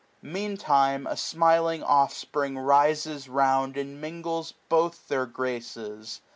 Meantime a smiling offspring rises round. And mingles both their graces.